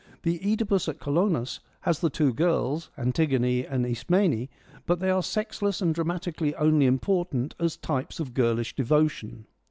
The CEdipus at Colonus has the two girls, Antigone and Ismene, but they are sexless and dramatically only important as types of girlish devotion.